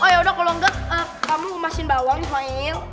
oh ya kalau enggak kamu emasin bawang ismail